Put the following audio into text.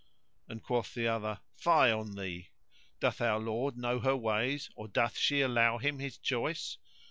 and quoth the other, "Fie on thee! doth our lord know her ways or doth she allow him his choice?